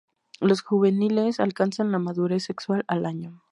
Los juveniles alcanzan la madurez sexual al año.